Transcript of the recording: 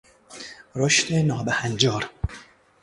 رشد ناهنجار